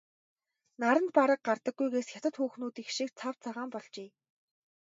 Наранд бараг гардаггүйгээс хятад хүүхнүүдийнх шиг цав цагаан болжээ.